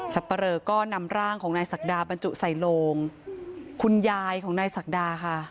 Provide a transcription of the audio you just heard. ปะเรอก็นำร่างของนายศักดาบรรจุใส่โลงคุณยายของนายศักดาค่ะ